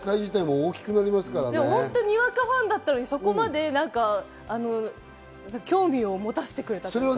にわかファンだったのに、そこまで興味を持たせてくれるとか。